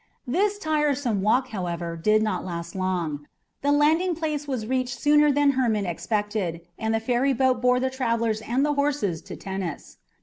This tiresome walk, however, did not last long; the landing place was reached sooner than Hermon expected, and the ferryboat bore the travellers and the horses to Tennis.